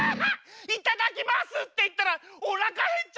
「いただきます」っていったらおなかへっちゃった。